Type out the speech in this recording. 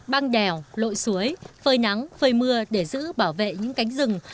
băng đèo lội suối phơi nắng phơi mưa để giữ bảo vệ những cánh rừng